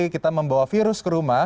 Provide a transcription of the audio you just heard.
kita membawa virus ke rumah